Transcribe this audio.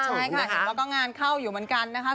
ใช่ค่ะเห็นว่าก็งานเข้าอยู่เหมือนกันนะคะ